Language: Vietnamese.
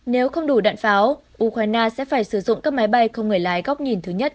nếu không đủ đạn pháo ukraine sẽ phải sử dụng các máy bay không người lái góc nhìn thứ nhất